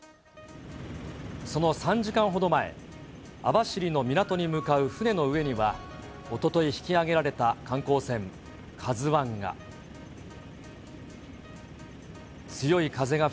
その３時間ほど前、網走の港に向かう船の上には、おととい引き揚げられた観光船ＫＡＺＵＩが。